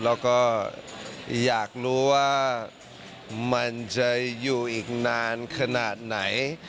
แล้วก็อยากรู้ว่ามันจะอยู่อีกนานขนาดไหน